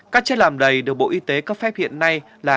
các chất làm đầy được bộ y tế cấp phép hiện nay là